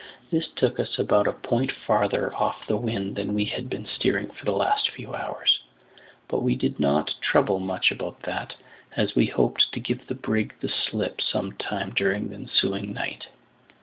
This took us about a point farther off the wind than we had been steering for the last few hours; but we did not trouble much about that, as we hoped to give the brig the slip some time during the ensuing night.